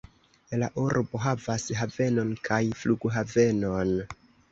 La urbo havas havenon kaj flughavenon.